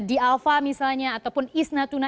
di alfa misalnya ataupun east natuna